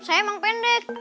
saya emang pendek